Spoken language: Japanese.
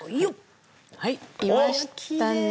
はいいましたね！